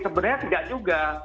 sebenarnya tidak juga